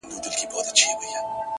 • زموږ پر تندي به وي تیارې لیکلي,